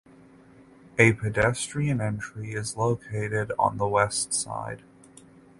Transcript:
A pedestrian entry is located on the west side.